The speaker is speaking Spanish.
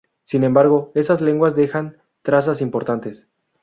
Sin embargo, esas lenguas dejan trazas importantes.